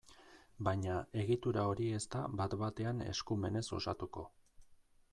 Baina, egitura hori ez da bat-batean eskumenez osatuko.